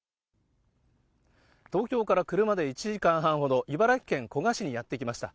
東京から車で１時間半ほど、茨城県古河市にやってまいりました。